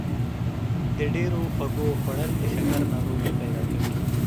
د ډېرو خوږو خوړل د شکر ناروغي پیدا کوي.